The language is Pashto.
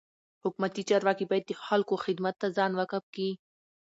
حکومتي چارواکي باید د خلکو خدمت ته ځان وقف کي.